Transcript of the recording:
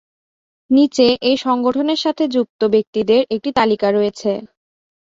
নীচে এই সংগঠনের সাথে যুক্ত ব্যক্তিদের একটি তালিকা রয়েছে।